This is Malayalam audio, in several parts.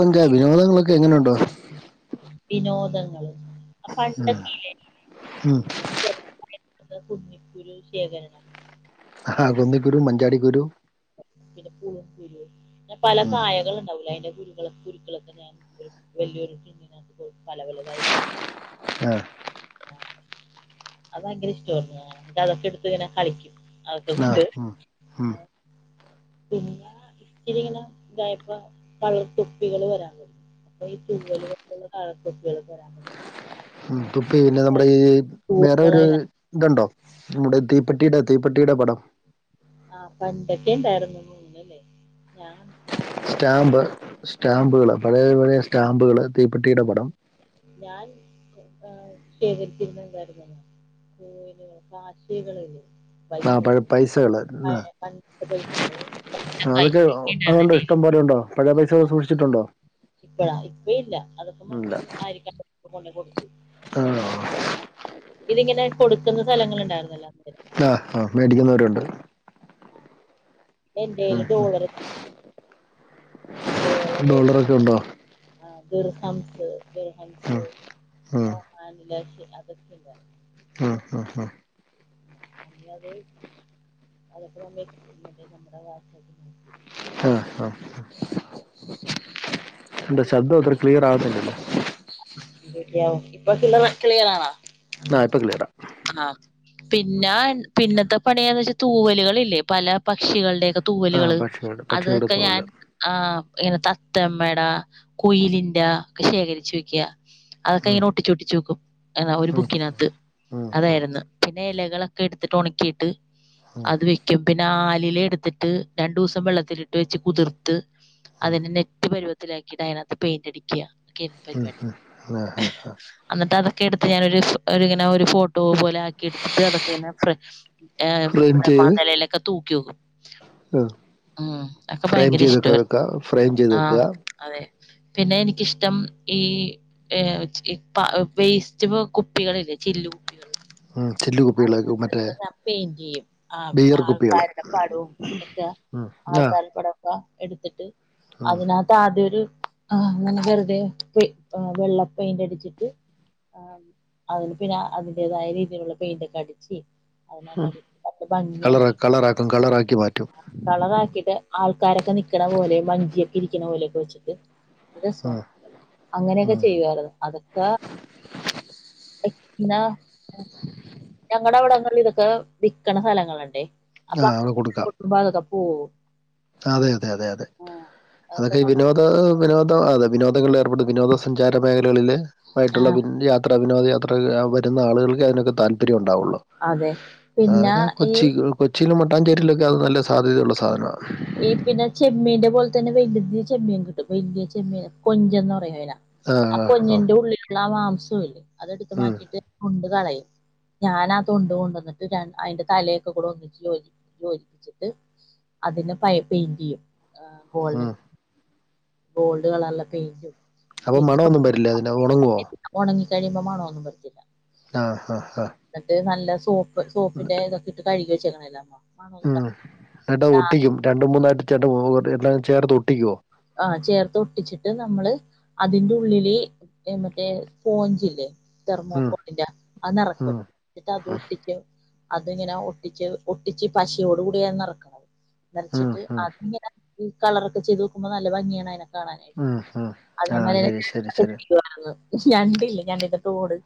സഞ്ചാര വിനോദങ്ങളൊക്കെ എങ്ങനൊണ്ട് വിനോദങ്ങള് ഉം പണ്ടൊക്കെ ഉം ഇല്ലെ കുന്നിക്കുരു ശേഖരണം ആഹ് കുന്നിക്കുരു മഞ്ചാടി കുരു പിന്നെ പുളിങ്കുരു പിന്നെ പല ഉം കായകൾ ഇണ്ടാവൂല്ലേ അതിന്റെ കുരു കുരുക്കളൊക്കെ ഞാൻ ഒരു വെല്യ ഒരു ടിന്നിനകത്ത് പല പലതായിട്ട് ആ ആഹ് അത് ഭയങ്കര ഇഷ്ട്ടവാരുന്നു ആഹ് എന്നിട്ട് അതൊക്കെ എടുത്ത് ഇങ്ങനെ കളിക്കും അതൊക്കെ ആഹ് കൊണ്ട് ഉം ഉം പിന്നെ ഇച്ചരിങ്ങനെ ഇതായപ്പോ പല [unintelligible] അപ്പ ഈ തൂവല് കൊണ്ട്ള്ള കളർ തൊപ്പികൾ വരാൻ തൊടങ്ങി ഉം തൊപ്പി പിന്നെ നമ്മടെ ഈ വേറെ ഒരു തൂവലുകളെ ഇതുണ്ടോ നമ്മടെ തീപ്പെട്ടീടെ തീപ്പെട്ടിയുടെ പടം ആഹ് പണ്ടൊക്കെ ഇണ്ടായിരുന്നു മൂന്നല്ലേ ഞാൻ ഞാൻ സ്റ്റാമ്പ് കണ്ടിട്ടുണ്ട് സ്റ്റാമ്പുകള് പഴയ പഴയ സ്റ്റാമ്പുകള് തീപ്പെട്ടിയുടെ പടം ഞാൻ ആഹ് ശേഖരിച്ചിരുന്ന എന്തായിരുന്നെന്ന് [unintelligible] ആ പൈസകൾ പഴയ പൈസകള് ആ ആഹ് പണ്ടത്തെ പൈസകള് അതൊക്കെ അതുണ്ടോ [unintelligible] ഇഷ്ടം പോലെ ഉണ്ടോ പഴയ പൈസകൾ ആ സൂക്ഷിച്ചിട്ടുണ്ടോ ഇപ്പഴാ ഇപ്പം ഇല്ല അതൊക്ക ഇല്ല മമ്മി [unintelligible] കൊടുത്തു ആ ഇതിലിങ്ങനെ കൊടുക്കുന്ന സ്ഥലങ്ങള് ഉണ്ടായിരുന്നല്ലോ [unintelligible] ആഹ് ആഹ് മേടിക്കുന്നവരുണ്ട് പിന്നെ ഉം എൻ്റേല് ഡോളറ് ഡോളറൊക്കെ ഉണ്ടോ ആഹ് ദിർഹംസ് ദിർഹംസ് ഉം പിന്നെ മാനിലാക്ഷി അതെക്കെണ്ട് ആഹ് ആഹ് ആഹ് ഞാൻ അന്നേയത് [unintelligible] ആഹ് ആഹ് എന്താ ശബ്ദം അത്ര ക്ലിയർ ആവത്തിണ്ടല്ലോ [unintelligible] ഇപ്പൊ കിള്ളറ ക്ലിയർ ആണാ ആഹ് ഇപ്പ ക്ലിയറാ ആഹ് പിന്ന പിന്നത്തെ പണിയെന്ന് വെച്ചാ തൂവലുകള് ഇല്ലേ പല പക്ഷികളുടേക്ക ആ തൂവലുകള് പക്ഷിയുണ്ട് പക്ഷികളുടെ അതൊക്കെ ഞാൻ തോല് ആഹ് ഇങ്ങനെ തത്തമ്മേടാ കുയിലിന്റാ ഒക്കെ ശേഖരിച്ചു വെക്കാ അതൊക്കെ ഉം, ഇങ്ങനെ ഒട്ടിച്ചൊട്ടിച്ചു വെക്കും ഒരു ഉം, ബുക്കിനാത്ത് ഉം, ഉം. അതായിരുന്നു പിന്നെ ഇലകളൊക്കെ എടുത്തിട്ട് ഒണക്കിയിട്ട് അത് വെ ക്കും പിന്നെ ആലില എടുത്തിട്ട് രണ്ടു ദിവസം വെള്ളത്തിലിട്ട് വെച്ച് കുതിർത്ത് അതിനെ നെറ്റ് പരുവത്തിലാക്കിയിട്ട് അതിനകത്ത് പെയിന്റ് അടിക്കാ ഉം ഉം ആഹ് ഹാ ഹാ എന്നിട്ട് അതൊക്കെ എടുത്ത് ഞാനൊരു ഫോ ഒരു ഇങ്ങനെ ഒരു ഫോട്ടോ പോലെ ആ ക്കി എടുത്തിട്ട് അതൊക്കെ ഇങ്ങനെ ഫ്രെ ഏഹ് ഫ്രെയിം ഇവിടെ മ ചെയ്ത് നെലയിലൊക്കെ തൂക്കി വെക്കും ആ, ഉം അതൊക്കെ ഫ്രെയിം ഭയങ്കര ഇഷ്ടാ ചെയ്തൊക്കെ [unintelligible] വെക്കുക ഫ്രെയിം ചെയ്ത് ആഹ് വെക്കുക അതെ പിന്നെ എനിക്കിഷ്ടം ഈ ഏഹ് ഈ പ വേസ്റ്റ് ബോ കുപ്പികളില്ലേ ചില്ലു ഉം ചില്ല് കുപ്പികളേക്ക മറ്റേ ഞാൻ പെയിന്റ് ചെയ്യും. ആ ബിയർ കുപ്പികള് ആൾക്കാരുടെ പടവും ഒക്കെ ഉം ആഹ് [unintelligible] എടുത്തിട്ട് അതിനാ ത്ത് ആദ്യോരു ആഹ് അങ്ങനെ വെറുതെ പെ ഏഹ് വെള്ള പെയിന്റ് അടിച്ചിട്ട് ആഹ് അതിന് പിന്നെ അതിന്റേതായ രീതിയിലുള്ള പെയിന്റൊക്കെ അടിച്ച് മ്ഹ് അതിനെല്ലാം നല്ല കളറ് ഭംഗിയാക്കിയിട്ട് കളറാക്കും കളറാക്കി മാറ്റും കളറാക്കിയിട്ട് ആൾക്കാരൊക്കെ നിക്കണ പോലെ മഞ്ചിയൊക്കെ ഇരിക്കണ പോലെയൊക്കെ വെച്ചിട്ട് ഉം, [unintelligible] അങ്ങനെയൊക്കെ ഉം. ചെയ്യുവാരുന്നു അതൊക്ക [unintelligible] [inaudible] ഞങ്ങടെ അവിടങ്ങളിൽ ഇതൊക്കെ വിക്കണ സ്ഥലങ്ങളുണ്ടേ ആ അത് കൊടുക്കാം [unintelligible] അതൊക്ക പോവും അതെ അതെ അതെ അതെ ആ, അതൊക്കെ ഈ കൊണ്ട വിനോദ കൊടുക്കും വിനോദം അതെ വിനോദങ്ങളിൽ ഏർപ്പെട് വിനോദസഞ്ചാര മേഖലകളില് ആ ആയിട്ടുള്ള [unintelligible] ത്ര വിനോദ യാത്ര വരുന്ന ആളുകൾക്ക് അതിനൊക്കെ താല്പര്യം ഉണ്ടാവുള്ളൂ അതെ പിന്നെ അതൊക്കെ കൊച്ചി ഈ കൊച്ചിയിലും മട്ടാഞ്ചേരിയിലൊക്കെ അത് നല്ല സാധ്യതയുള്ള സാധനമാ ഈ പിന്നെ ചെമ്മീൻന്റെ പോലെ തന്നെ വലുത് ചെമ്മീൻ ക വലുത് ചെമ്മീൻ കൊഞ്ചന്ന് പറയല ആ ആഹ് കൊന്ജ് ആഹ് ന്റെ ഉള്ളിലുള്ള ആ മാംസ ഇല്ലേ അതെടുത്ത ഉം മാറ്റിട്ട് തൊണ്ട് കളയും ഞാൻാതൊണ്ട് കൊണ്ട വന്നിട്ട് അയിന്റെ തലയൊക്കെ കൂടെ ഒന്നിട്ട ജോല യോജിച്ചുയോജിച്ചിട്ട് പ്പിച്ചിട്ട് അതിന പ പെയിൻ്റെയ്യും ഉം ഗോൾഡും ഗോൾഡ് കളർല്ല പെയിൻ്റും അവ മണൊന്നുംവരില്ല അതിനങാ ഒനങ്ങോ ഉണങ്ങി കഴിയുമ്പോമണം ഒന്നും പറ്റില്ല ആ ഹാ ഹാ എന്നിട്ട് നല്ല സോപ്പ് സോപ്പിന്റെ ഇതൊക്കെ ഇട്ട് കഴുകി വെച്ചിക്കുന്നല്ലോ ഉം ചട്ടാത് ഒട്ടിക്കും രണ്ട് മൂന്നായിട്ട് ചട്ട എല്ലാം ചേർത്ത് ഒട്ടിക്കുവോ ആഹ ചേർത്ത്ഒ ട്ടിച്ചിട്ട് നമ്മള് അതിന്റെ ഉള്ളില് മറ്റേ സ്പോഞ്ച്ല്ലേ ഉം തെർമോക്കോളിന്റെഅത് ന റക്കും ഉം എന്നിട്ട്അതൊടിക്കും അതിങ്ങനെ ഒട്ടിച്ച് ഒട്ടിച്ച് പശയോട കൂടിയ നറക്കണം ഉം നിറച്ചിട്ട് ഉം അത്ങ്ങനെ ഈ കളറൊക്കെ ചെയ്ത് നോക്കുമ്പോൾ നല്ല ഭംഗിയാണ് അതിന [unintelligible] കാണാനായിട്ട് ഉം ഉം ആഹ് അതേമാല ശരി ശരി രണ്ട ശരി ഇലപക്ഷെ ഞണ്ടില്ല തോട്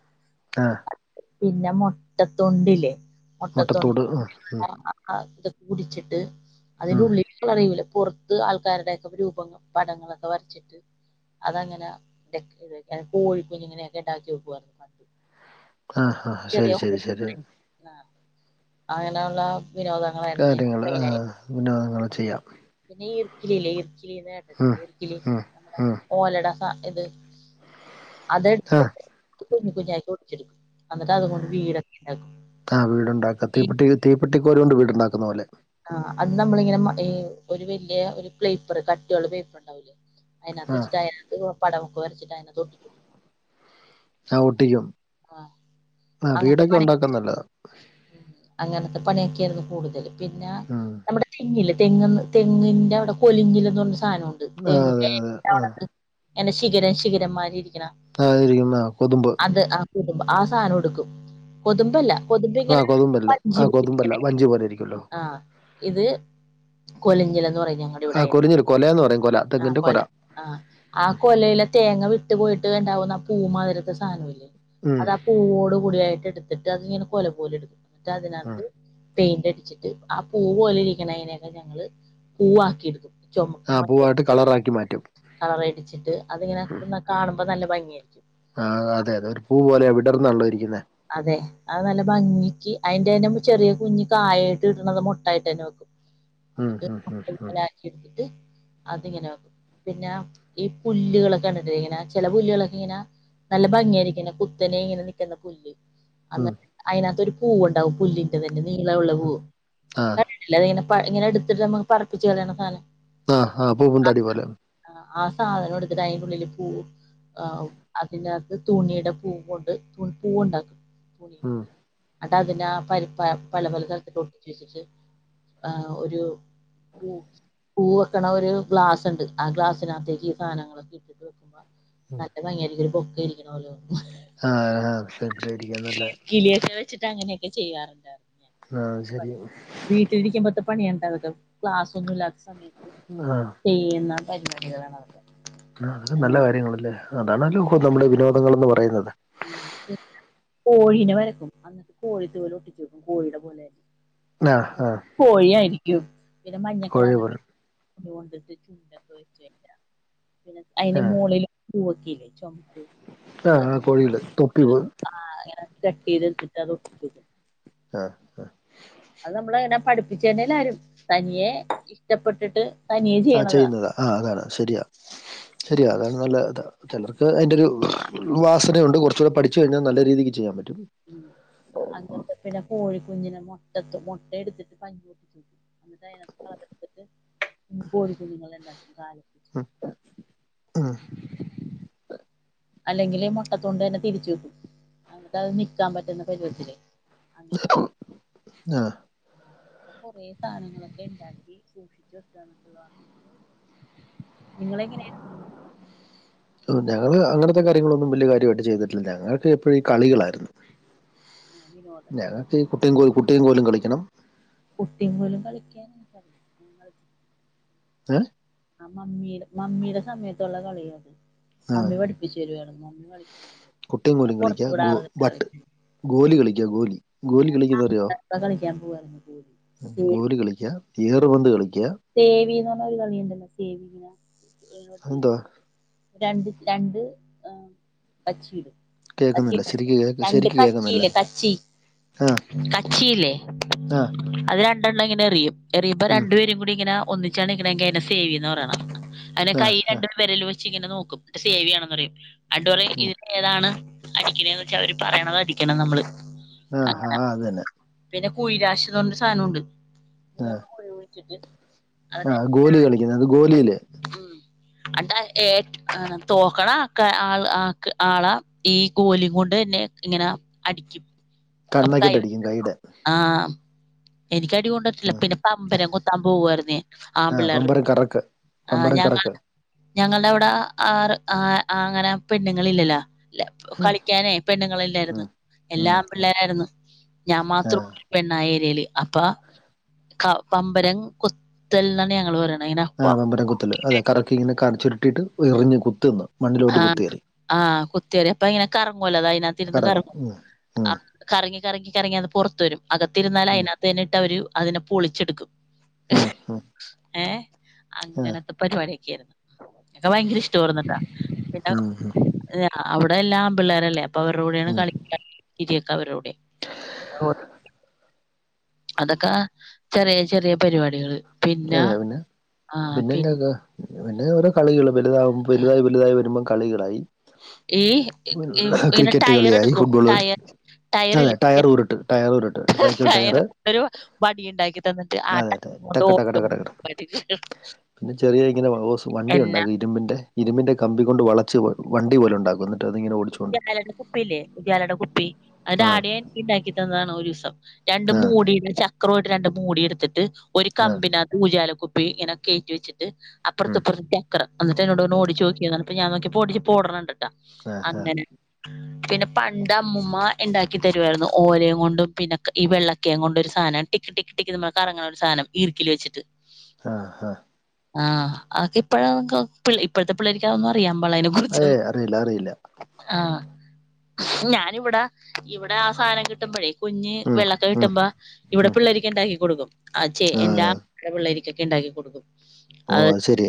ആഹ് പിന്നെ മൊട്ടത്തൊണ്ടില്ലെ മൊട്ടത്തൊണ്ട് മുട്ടത്തോട് ഉം ഉം [unintelligible] ആ തൊക്കെ കുടിച്ചിട്ട് ഉം അതിനുള്ളില്ള്ള അറിയൂല പുർത്ത് ആൾക്കാര്ടെ രൂപങ്ങ പടങ്ങളൊക്കെ വരച്ചിട്ട് അതങ്ങനെ [unintelligible] കോഴിക്കുഞ്ഞിനൊക്കെ ഉണ്ടാക്കി വെക്കുവാ ആഹ ശരി ശരി ശരി ആ അങ്ങനള്ള വിനോദങ്ങളായ്രുന്നു [inaudible] മെയിനയ്ട്ട അങ്ങനെ ചെയ്യാം ഈ ർക്കിലില്ലേ ഈർക്കിലിന്ന് ഉം കേട്ടിട്ടില്ലീർക്കിലി ഉം നമ്മടെ ഉം ഓലട സഇത് അത് ആഹ് കുഞ്കുഞ്ഞായ്ട്ട് ഒടിചെട്ക്കും അന്ന്ട്ടതും കൊണ്ട് വീടൊക്കെ ഉണ്ടാക്കുണ്ടാവും ആഹ് വീട് ണ്ടാക്ക തീപ്പെട്ടി തീപ്പെട്ടിക്കോലോണ്ട് വീട്ണ്ടാക്കുന്ന പോലെ ആഹ് അത് നമ്മളിങ്ങനെ ഒരു വല്യോരു പ്ലേപ്പർ കട്ടിയുള്ള പേപ്പർ ണ്ടാവൂലേ അയ്നത്ത് ആഹ് വെച്ചിട്ട് ഇഷ്ടയോർക്ക് പടമൊക്കെ വരച്ട്ട് അയ്നത്തൊട്ടിച്ച് ആ ഒട്ടിക്കും ആ വീടൊക്കെ ണ്ടാക്കന്നല്ലത അങ്ങനത്ത പണിയൊക്കെയ്ര്ന്നു കൂടുതല് പിന്ന ഉം നമ്മടെ തെങ്ങില് തെങ്ങങ്ന്ന് തെങ്ങിന്റവടെ കൊലിഞ്ഞില് ന്നർഞൊര് സാനണ്ട് ആ എന്ന അതെ അതെ ആ [unintelligible] [inaudible] തെ ങ്ങനെ ശിഗിരേം ശിഖരമ്മാരിരിക്കണാ ആ തിരിക്ക്ന്ന കൊതമ്പ് കൊതുമ്പ് ആ സാനോ ട്ക്കും കൊ തുമ്പല്ല കൊ തുമമ്പിങ്ങനെ വഞ്ചി പോലിരിക്കണെ ജ്ജ് പോരെരിക്കണ്ടോ ആ ഇത് കൊലിഞ്ഞിലന്ന്പറിം ഞ്ഞ ആഹ് കൊറിഞ്ല് കൊല ന്ന് പറിം കൊല തെങ്ങിന്റെ കൊല ആഹ് ആ കൊലയിലെ തേങ്ങ വിട്ട് പോയിട്ട് ണ്ടാവുന്ന ആ പൂ മാതിര് ത്തെ സാനം ല്ലേ ഉം അതാ പൂവോട് കൂടിയായ്ട്ട് എട്ത്തിട്ട് അതിങ്ങനെ കൊല പോല എട്ക്കും ഉം ന്നിട്ടയ്നത്ത് പെയിന്റടിച്ചിട്ട് ആ പൂ പോലെ ഇരിക്കണീനന്നെ ഞങ്ങ ള് പൂവാക്കി ട്ക്കും ആ പൂവായ്ട്ട് കളറാക്കി മാറ്റും കളറടിച്ചിട്ട് അതിങ്ങനെ ന്ത കാണുമ്പോ നല്ല ഭംഗിയായ്രിക്കും ആഹ് അതെ അതെ ഒരു പൂ പോലെ വിടർന്നാൺ ല്ലോ ഇരിക്ന്നേ അതെ അത് നല്ല ഭംഗിക്ക് അയ്ന്റന്നെ ചെറിയ കുഞ്ഞി കായയ്ട്ട് കിട്ട്ണത് മുട്ടായ്ട്ടന്നെ വെക്കും ഉം ഹും ഹും ഹും എട്ത്തിട്ട് അതിങ്ങനെ വെക് പിന്ന ഈ പുല്ലുകളൊക്കെ കണ്ടിട്ടില്ലേ ങ്ങനെ ചെല പുല്ലകളൊക്കെങ്ങന നല്ല ഭംഗിയായിരിക്ണ കുത്തനെ ങ്ങനെ നിക്ക്ന്ന പുല്ല് അന്ന് ഉം അയ്നത്തൊരു പൂവുണ്ടാവും പുല്ലിന്റതന്നെ നീളവുള്ള പൂവ് ആ കണ്ടി ട്ടില്ലാ തിങ്ങണെ പ ഇങ്ങനെ എടുത്തിട്ട് നമ്മുക്ക് പറപ്പിച്ച് കളയണ സാനം ആഹ് ആ പൂപ്പന്താടി പോലെ ആഹ് ആ സാധനം എട്ത്തിട്ടയ്ന്റെുള്ളില് പൂവ് ആവും. അതിനാത്ത് തുണിടെ പൂ കൊണ്ട് പൂവ്ണ്ടാക്കും തുണി ഉം കൊണ്ട് അട്ടതിന്റാ പരി [inaudible] പല പല തരത്തിലൊട്ടിച്ചച്ചിട്ട് ആ ഒരു പൂ പൂ വെക്കണ ഒരു ഗ്ലാസ്സ്ണ്ട്. ആ ഗ്ലാസ്സിനകത്തേക്ക് ഈ സാനങ്ങളൊക്കെട്ടിട്ട് വെക്കുമ്പോ നല്ല ഭംഗിയായ്രിക്കും ഒരു ബൊക്കെ ഇരിക്കണ പോലെതോന്നും ആ [unintelligible] നല്ല കിളിയൊക്കെ വെച്ചിട്ട് അങ്ങനെയൊക്കെ ചെയ്യാറ്ണ്ട് ഹാ ശരി വീട്ടിരിക്കുമ്പത്തെ പണിയണ്ടാതൊക്കെ ക്ലാസ്സോന്നു ല്ലാത്ത സമയത്ത് ആഹ് ചെയ്യുന്ന പരിപാടികളാണതൊക്കെ ആഹ് നല്ല കാര്യങ്ങളല്ലേ. അതാണല്ലോപ്പൊ നമ്മുടെ വിനോദങ്ങൾന്ന് പറയുന്നത് ആഹ് പിന്നെ കോഴീനെ വരക്കും അന്നിട്ട് കോഴി തൂവലൊട്ടിച്ചു വക്കും കോഴിയുടെ പോലെ ആ ആ കോഴിയായിരിക്കും പിന്നെ കോഴി മഞ്ഞക്കളർലക്കെ പോൽ ണ്ടിട്ട് ചുണ്ടൊക്കെ വെച്ച് വരാ പിന്നെ അയ്ന് ആ മോളില് പൂവൊക്കെയില്ലേ ചോംപ്പ് ആ ആ പൊഴയിൽ തൊപ്പി പോവും ആഹ് അങ്ങനെ കട്ടെയ്തെടുത്തിട്ട് അതൊട്ടിച്ചു വെക്കും ആഹ് അത് നമ്മളങ്ങനെ പഠിപ്പിച്ചു തര്നെല്ലാരും. തനിയെ ഇഷ്ടപ്പെട്ടിട്ട് തനിയെ ആഹ് ചെയ്യണതാ ചെയ്യുന്നതാ. ആഹ് അതാണ് ശരിയാ അങ്ങനെ ശരിയാ അതാണ് നല്ല ഇതാ ചെലർക്ക് അയ്ന്റെരു വാസനയുണ്ട്. കൊർച്ചൂടെ പഠിച്ചു കഴിഞ്ഞാ നല്ല രീതിക്ക് ചെയ്യാൻ പറ്റും ഉം അങ്ങൻത്തെ പിന്നെ കോഴി കുുഞ്ഞിനെ മൊട്ട തൊ മൊട്ട എടുത്തിട്ട് പഞ്യെട്ടിച് എന്നിട്ട് അയ്നകത്ത് കളർടുത്തിട്ട് കോഴി കുഞ്ഞുങ്ങളെണ്ടാക്കും കാലും ഹ ആഹ് അല്ലെങ്കില് മുട്ടത്തൊണ്ട് തന്നെ തിരിച്ചു വെക്കും. അന്നിട്ടത് നിക്കാൻ പറ്റുന്ന പരിവത്തില് അങ്ങനെ ആക്കി ആഹ് കുറെ സാധനങ്ങളൊക്കെ ഉണ്ടാക്കി സൂക്ഷിച്ച് വെക്കാ എന്നൊക്കള്ളതാണ് നമ്മ നിങ്ങളെങ്ങനെയാ ഞങ്ങള് അങ്ങനത്തെ കാര്യങ്ങളൊന്നും വലിയ കാര്യവായിട്ട് ചെയ്തിട്ടില്ല. ഞങ്ങൾക്ക് എപ്പഴും ഈ കളികളായിരുന്നു ആ, വിനോദം ഞങ്ങക്കീ കുട്ടിയും കോ കുട്ടിയും കോലും കളിക്കണം കുട്ടിയും കോലും കളിക്കാൻ ഞ വിള [unintelligible] ഏഹ് ആഹ് മമ്മീടെ മമ്മീടെ സമയത്തുള്ള കളിയാ അത്. ആഹ് മമ്മി പഠി പ്പിച്ച് തരുവായിരുന്നു. മമ്മി കളിക്കും ഞങ്ങളും കുട്ടിയും കോലും കളിക്ക്യാ ഗോ ഭട്ട് ഗോലി കളിക്ക്യാ ഗോലി ആഹ് ഞ ഗോലി [unintelligible] കളിക്കാൻ പോവായിരുന്നു ഗോലി ഉം ഗോലി കളിക്ക്യാ ഗിയറ് പന്ത് കളിക്ക്യാ. സേവിന്ന് പർഞ്ഞൊരു കളിണ്ടല്ലോ സേവീന അതെന്തുവാ [unintelligible] രണ്ട് രണ്ട് ആഹ് കച്ചിടും കേൾക്കുന്നില്ല കച്ചിട്ട് ശരിക്ക് കേക്ക് രണ്ട് ശരിക്ക് കേൾക്കുന്നില്ല കച്ചില്ലേ കച്ചി ആഹ് കച്ചിയില്ലേ ആഹ് അത് രണ്ടെണ്ണം ഇങ്ങനെ എറിയും എറിയുമ്പം ഉം രണ്ടുപേരും കൂടി ഇങ്ങനെ ഒന്നിച്ചാണ് നിക്ക്ണെങ്കി അയ്നെ സേവിന്നാ പറയണം അങ്നെ കൈ ആഹ് ആഹ് രണ്ട് വിരൽ വെച്ച് ഇങ്ങനെ നോക്കും ന്നട്ട് സേവി ആണെന്ന് പറയും അന്ന്ട്ട് പറയും ഉം ഇ ഏതാണ് അടിക്ക്ണേന്ന് വെച്ചാ അവര് പറയണത് അടിക്കണം നമ്മള്. ആഹ് ഹാ അങ്ങനെ അത് തന്നെ പിന്നെ കുഴിരാശി ന്ന് പർഞ്ഞിട്ടൊരു സാധനമുണ്ട് മൂന്ന് കുഴി കുഴിച്ചിട്ട് അതിന് ആഹ് ഗോലി കളിക്കുന്നത് അത് ഗോലീല് അന്ന്ട്ടാ ഏ ആണ്. തോക്കണ ആക്ക ആൾ ആ ആളാ ഈ ഗോലി കൊണ്ട് തന്നെ ഇങ്ങന അടിക്കും അപ്പ കൈ കണ്ണൊക്കെട്ട് അടിക്കും [unintelligible] കൈയുടെ ആഹ് എനിക്ക് അടി കൊണ്ടട്ടില്ല. ഉം പിന്നെ പമ്പരം കുത്താൻ പോവുമായിരുന്നേ ആഹ് ആമ്പള്ളേർടെ പമ്പരം കറക്ക് ആഹ് പമ്പരം ഞങ്ങൾട കറക്ക് ഞങ്ങൾടെ അവിടെ ആറ് ആഹ് അങ്ങനെ പെണ്ണുങ്ങളില്ലല്ലാ ല്ല കളിക്കാനേ പെണ്ണുങ്ങളല്ലായിരുന്ന് ഉം എല്ലാം ഉം ഉം ആമ്പിള്ളേരായിരുന്ന്. ഞാൻ മാത്രാണ് പെണ്ണായി ഏരിയേൽ അപ്പ ക പമ്പരം കുത്തൽന്നാണ് ഞങ്ങള് പറയ്ണ ഇങ്ങന ആഹ് പമ്പരം കുത്തല് അതെ കറക്കി ഇങ്ങനെ കാണിച്ചുരുട്ടിട്ട് എറിഞ്ഞ് കുത്ത്ന്ന് ആഹ് ആഹ് കുത്തിയെറി അപ്പൊ ഇങ്ങനെ കറങ്ങൊല്ലോ അതയ്നകത്തിരുന്ന് കറങ്ങും. ഉം കറങ്ങി കറങ്ങി കറങ്ങി അത് പുറത്ത് വരും. അകത്തിരുന്നാല് ഉം അയിനകത്തന്നെ ഇട്ടവര് അതിനെ പൊളിച്ചെടുക്കും. ഉം ഹും. ഏഹ് അങ്ങനത്തെ പരിപാടിയൊക്കെയാര്ന്ന്. അതൊക്കെ ഭയങ്കര ഇഷ്ടവാ ഉം ഏഹ് അവിടെ എല്ലാം ആമ്പിള്ളേരല്ലേ അപ്പൊ അവർടെ കൂടെണ് ഉം ഉം കളിക്ക. ഇടിയൊക്കെ അവരോടെ [unintelligible] അതൊക്ക ചെറിയ ചെറിയ പരിപാടികള് അതെ പിന്നെ ആ പിന്നെ പി എന്നാക്കാ? പിന്നെ ഓരോ കളികള് വലുതാകും വലുതായി വലുതായി വരുമ്പം കളികളായി. ഈ പിന്നെ ക്രിക്കറ്റ് ടയർ കളിയായി എടുക്കും ഫുട്ബോള് കളി ടയർ അതെ ടയറില്ലേ ടയറുറുട്ട് ടയറുരുട്ട് സൈക്കിൾ ടയർ ടയറ് ഒരു വടി ഉണ്ടാക്കി തന്നിട്ട് ആ അതെ. ടയർ കൊണ്ട് ട്ടക് ടക ഓട്ടോ ടക ടകട പരിപാടി. പിന്നെ ചെറിയ ഇങ്ങനെ ഓസ് വണ്ടി ഉണ്ട് എന്നാ ഇരുമ്പിന്റെ ഇരുമ്പിന്റെ കമ്പി കൊണ്ട് വളച്ച് വണ്ടി പോലെ ഉണ്ടാക്കുന്ന് ഉജാലയുടെ കുപ്പിയില്ലേ ഉജാലയുടെ കുപ്പി അത് ആ ഡാഡിയെനിക്ക് ഇണ്ടാക്കി തന്നതാണ് ഒരീസം രണ്ട് ആ മൂടിയുടെ ചക്രവായിട്ട് രണ്ട് മൂടി എടുത്തിട്ട് ഒരു ആ കമ്പിനക ത്തൂജാല കുപ്പി ഇങ്ങനെ കേറ്റി വച്ചിട്ട് ഉം, അപ്പർത്തും ഇപ്പർത്തും ചക്രം എന്നിട്ട് എന്നോട് പർഞ്ഞു ഉം, ഓടിച്ചോക്കിന്നർഞ് അപ്പം ഞാൻ നോക്കിയേപ്പ പ്പോടിച്ച് ഇപ്പോട്ണ് ണ്ട്ട്ടാ ആ അങ്ങനെ. പിന്നെ പണ്ട് അമ്മുമ്മ ഇണ്ടാക്കി തരുവായിരുന്നു ഓലേങ്ങൊണ്ടും പിന്നെ ക് ഈ വെള്ളക്കെയങ്ങോണ്ടും ഒരു സാനം. ടിക്ക് ടിക്ക് ടിക്ക് ന്നും പർഞ് കറങ്ങണ ഒരു സാനം ഈർക്കിലി വെച്ചിട്ട്. ആഹ് ആഹ് ആഹ് അക്കെപ്പഴ ഇപ്പഴത്തെ പിള്ളേരിക്കാ അതോന്നും അറിയൻ പാള്ള അ അതെ അറില്ല അറില്ല ആഹ് ഞാനിവിടെ ഇവിടെ ആ സാധനം കിട്ടുമ്പഴേ കുഞ്ഞ് ഉം, വെള്ളക്ക ഉം, കിട്ടുമ്പോ ഇവിടെ പിള്ളേക്ക് ണ്ടാക്കി കൊടുക്കും അഛേ ആ എല്ലാമ്മടെ പിള്ളേരിക്കൊക്കെ ണ്ടാക്കി കൊടുക്കും ഓ അഹ് ശരി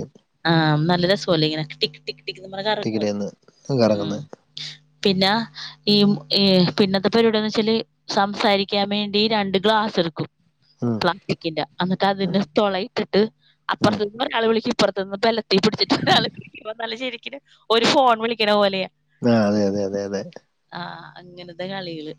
ആഹ് നല്ല രസല്ലേ ഇങ്ങനെ ട്ടിക് ടിക് ടക് ന്ന് പറഞ് ടിക്കറ്റ് കറങ്ങത് എന്ന് ഉം കറങ്ങുന്നത് പിന്നെ ഈ പിന്നത്തെ പരി ഇവിടെന്ന് വെച്ചാല് സംസാരിക്കാൻ വേണ്ടി രണ്ട് ക്ലാസ് എടുക്കും ഉം, പ്ലാസ്റ്റിക്കിന്റെ എന്നിട്ട് അതിന്റെ തൊ ളയിട്ടിട്ട് ഉം, അപ്പുറത്ത് കളവിളി അപ്പുറത്തുന്ന് ബലത്തി പിടിച്ചിട്ട് ഒരാൾ നല്ല ശരിക്കന് ഒരു ഫോൺ വിളിക്കണ പോലെയാ ആഹ് അതെ അതെ അതെ അതെ ആഹ് അങ്ങനത്തെ കളികള്